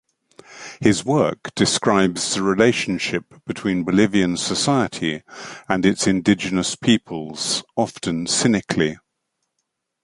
His work describes the relationship between Bolivian society and its indigenous peoples, often cynically.